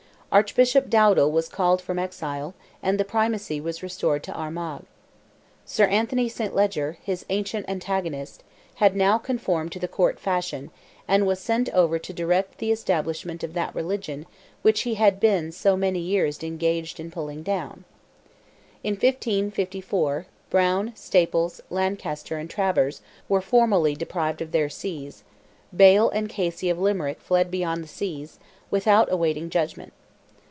Archbishop Dowdal was called from exile, and the Primacy was restored to Armagh. Sir Anthony St. Leger, his ancient antagonist, had now conformed to the Court fashion, and was sent over to direct the establishment of that religion which he had been so many years engaged in pulling down. In 1554, Browne, Staples, Lancaster, and Travers, were formally deprived of their sees; Bale and Casey of Limerick fled beyond seas, without awaiting judgment.